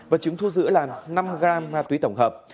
vật chứng thu giữ là năm gram ma túy tổng hợp